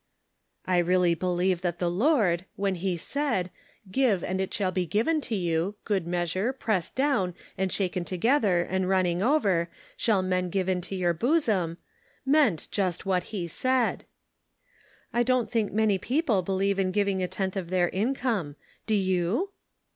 " "I really believe that the Lord, when he said, ' Give, and it shall be given unto you, good measure, pressed down and shaken to gether, and running over, shall men give into your bosom,' meant just what he said." "I don't think many people believe in giv ing a tenth of their income. Do you